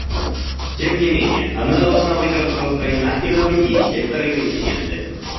Тем не менее, она должна быть распространена и на другие секторы и континенты.